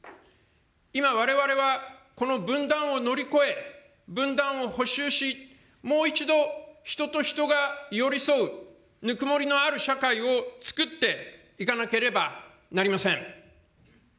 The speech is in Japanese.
今、われわれはこの分断を乗り越え、分断を補修し、もう一度、人と人が寄り添うぬくもりのある社会をつくっていかなければなりません。